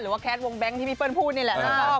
หรือแคร์ดวงแบงค์ที่มีเปิ้ลพูดนี่แหละ